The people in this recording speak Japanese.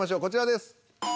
こちらです。